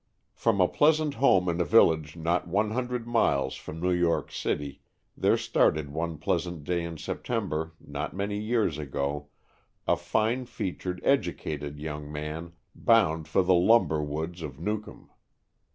From a pleasant home in a village not one hundred miles from New York City there started one pleasant day in Sep tember, not many years ago, a fine fea tured, educated young man bound for the lumber woods of Newcomb.